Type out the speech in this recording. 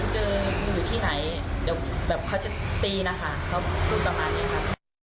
เจออยู่ที่ไหนเดี๋ยวแบบเขาจะตีนะคะเขาพูดประมาณนี้ครับ